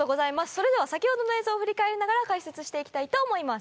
それでは先ほどの映像を振り返りながら解説していきたいと思います。